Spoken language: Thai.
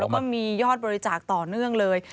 แล้วก็มียอดบริจาคต่อเนื่องเลย